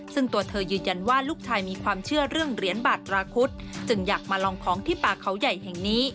ซึ่งตัวเธอยืนยันว่าลูกชายมีความเชื่อเรื่องเหรียญบาทตราคุดจึงอยากมาลองของที่ป่าเขาใหญ่แห่งนี้